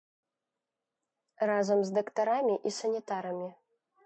Разам з дактарамі і санітарамі.